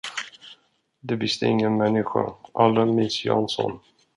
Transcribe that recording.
Det visste ingen människa, allra minst Jansson.